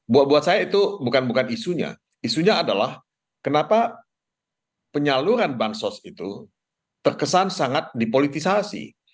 buat saya itu bukan bukan isunya isunya adalah kenapa penyaluran bansos itu terkesan sangat dipolitisasi